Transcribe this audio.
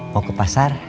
mau ke pasar